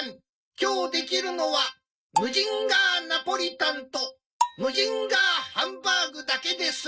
今日できるのはムジンガーナポリタンとムジンガーハンバーグだけです。